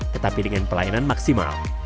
tetapi dengan pelayanan maksimal